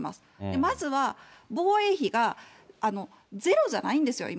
まずは、防衛費がゼロじゃないんですよ、今。